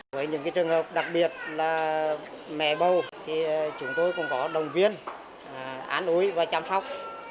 với những trường hợp đặc biệt là mẹ bầu thì chúng tôi cũng có đồng viên án ối và chăm sóc